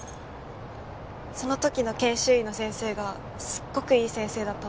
その時の研修医の先生がすっごくいい先生だったの。